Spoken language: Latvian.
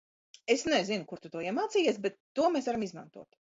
Es nezinu kur tu to iemācījies, bet to mēs varam izmantot.